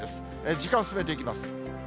時間進めていきます。